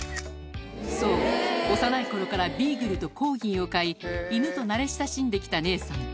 そう幼い頃からビーグルとコーギーを飼い犬と慣れ親しんで来た姉さん